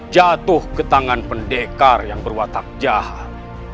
jatuh ke tangan pendekar yang berwatak jahat